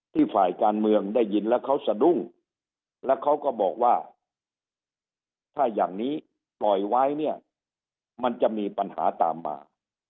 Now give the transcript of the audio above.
ฝ่ายการเมืองได้ยินแล้วเขาสะดุ้งแล้วเขาก็บอกว่าถ้าอย่างนี้ปล่อยไว้เนี่ยมันจะมีปัญหาตามมา